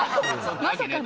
まさかの？